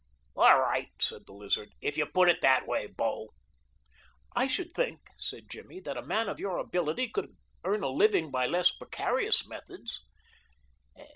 "All right," said the Lizard, "if you put it that way, bo." "I should think," said Jimmy, "that a man of your ability could earn a living by less precarious methods."